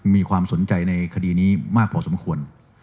มีความสนใจในคดีนี้มากพอสมควร